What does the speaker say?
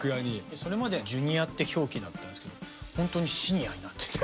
それまでＪｒ．って表記だったんですけど本当にＳｒ．になってて。